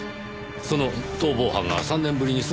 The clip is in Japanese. その逃亡犯が３年ぶりに姿を現した？